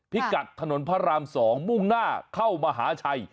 พิกัดถนนพระราม๒มุ่งหน้าเข้ามหาชัย